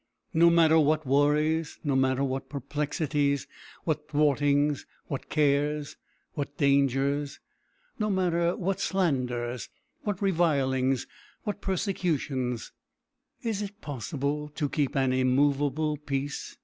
No matter what worries; no matter what perplexities, what thwartings, what cares, what dangers; no matter what slanders, what revilings, what persecutions is it possible to keep an immovable peace?